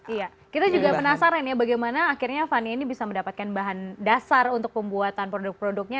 iya kita juga penasaran ya bagaimana akhirnya fani ini bisa mendapatkan bahan dasar untuk pembuatan produk produknya